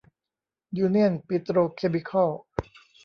ยูเนี่ยน ปิโตรเคมีคอล